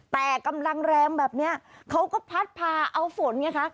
แต่กำลังแรงแบบนี้เขาก็พัดพาเอาฝนไงคะ